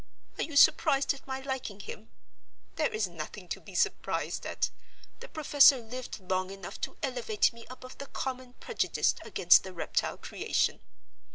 Are you surprised at my liking him? There is nothing to be surprised at. The professor lived long enough to elevate me above the common prejudice against the reptile creation.